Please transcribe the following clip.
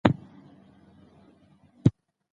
د ټولنې لویې ستونزې کومې دي؟